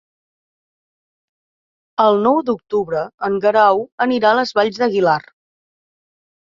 El nou d'octubre en Guerau anirà a les Valls d'Aguilar.